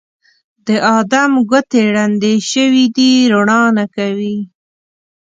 د ادم ګوتې ړندې شوي دي روڼا نه کوي